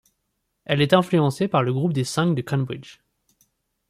Elle est influencée par le groupe des Cinq de Cambridge.